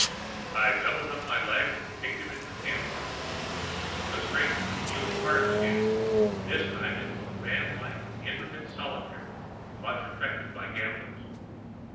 "I doubled up my legs and kicked him into the camp fire." The stranger was dealing the cards again, this time into a fanlike, intricate solitaire much affected by gamblers.